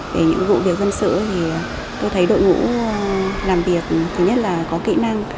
về những vụ việc dân sự thì tôi thấy đội ngũ làm việc thứ nhất là có kỹ năng